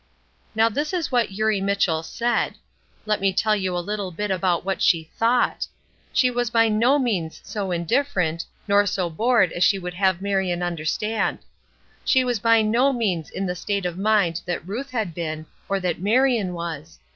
Now this was what Eurie Mitchell said. Let me tell you a little bit about what she thought. She was by no means so indifferent, nor so bored as she would have Marion understand. She was by no means in the state of mind that Ruth had been, or that Marion was.